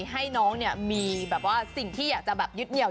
ให้น้องมีสิ่งที่อยากจะยึดเหนี่ยว